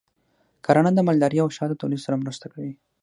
کرنه د مالدارۍ او شاتو تولید سره مرسته کوي.